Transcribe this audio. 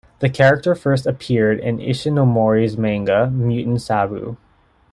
The character first appeared in Ishinomori's manga "Mutant Sabu".